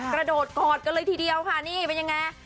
กระโดดกอดกันเลยทีเดียวค่ะนี่เป็นยังไง